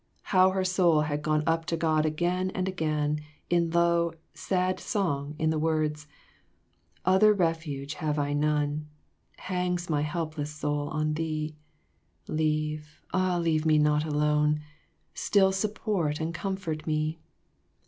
How her soul had gone up to God again and again in low, sad song in the words "Other refuge have I none, Hangs my helpless soul on thee; Leave, ah leave me not alone! Still support and comfort me."